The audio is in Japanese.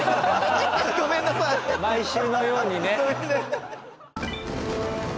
毎週のようにね。